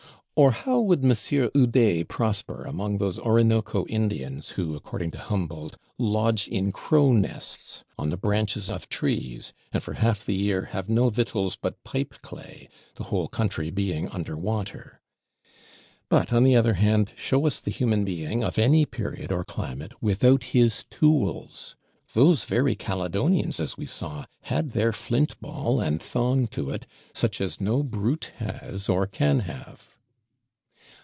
Or how would Monsieur Ude prosper among those Orinoco Indians who, according to Humboldt, lodge in crow nests, on the branches of trees; and, for half the year, have no victuals but pipe clay, the whole country being under water? But on the other hand, show us the human being, of any period or climate, without his Tools: those very Caledonians, as we saw, had their Flint ball, and Thong to it, such as no brute has or can have.